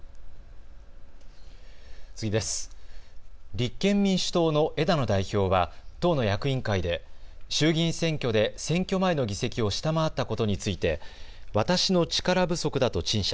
立憲民主党の枝野代表は党の役員会で衆議院選挙で選挙前の議席を下回ったことについて私の力不足だと陳謝。